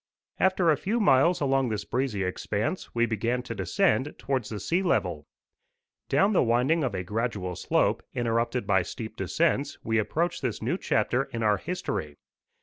After a few miles along this breezy expanse, we began to descend towards the sea level. Down the winding of a gradual slope, interrupted by steep descents, we approached this new chapter in our history.